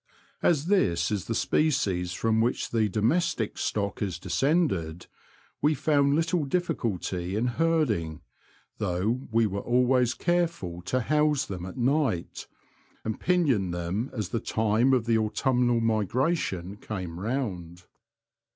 As this is the species from which the domestic stock is descended, we found little diflSculty in herding, though we were always careful to house them at night, and pinioned them as the time of the autumnal migration came round.